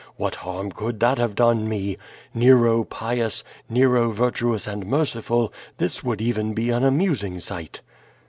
What harm could that have done me? Nero pious, Nero vir tuous and merciful, this would even be an amusing sight."